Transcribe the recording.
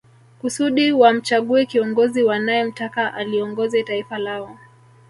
Kusudi wamchague kiongozi wanae mtaka aliongoze taifa lao